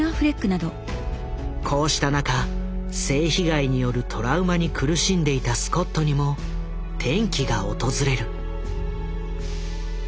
こうした中性被害によるトラウマに苦しんでいたスコットにも転機が訪れる。